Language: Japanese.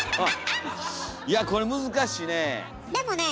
いやこれ難しいね。